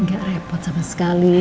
gak repot sama sekali